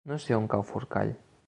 No sé on cau Forcall.